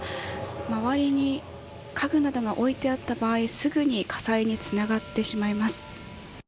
周りに家具などが置いてあった場合すぐに火災につながってしまいます。